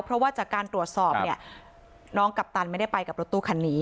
เพราะว่าจากการตรวจสอบเนี่ยน้องกัปตันไม่ได้ไปกับรถตู้คันนี้